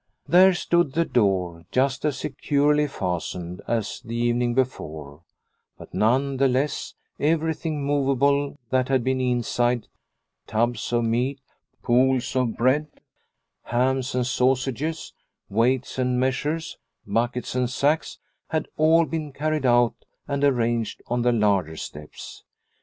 There stood the door, just as securely fastened as the evening before, but none the less every thing movable that had been inside tubs of meat, poles 1 of bread, hams, and sausages, weights and measures, buckets and sacks had all been carried out and arranged on the larder steps.